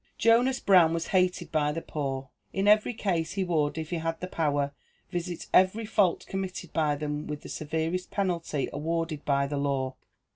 Jonas Brown was hated by the poor. In every case he would, if he had the power, visit every fault committed by them with the severest penalty awarded by the law.